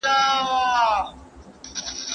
هم له وره یې د فقیر سیوری شړلی